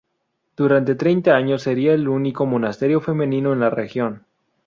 Durante treinta años sería el único monasterio femenino en la región.